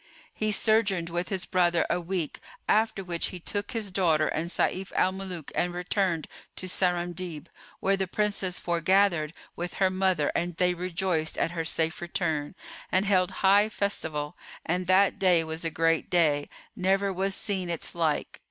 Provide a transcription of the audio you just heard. He sojourned with his brother a week, after which he took his daughter and Sayf al Muluk and returned to Sarandib, where the Princess foregathered with her mother and they rejoiced at her safe return; and held high festival and that day was a great day, never was seen its like.